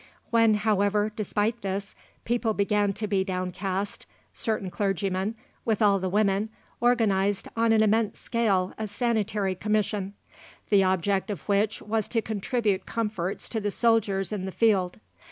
When, however, despite this, people began to be downcast, certain clergymen, with all the women, organised on an immense scale a Sanitary Commission, the object of which was to contribute comforts to the soldiers in the field.